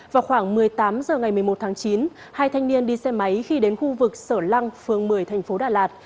vào khoảng một mươi tám h ngày một mươi một tháng chín hai thanh niên đi xe máy khi đến khu vực sở lăng phường một mươi thành phố đà lạt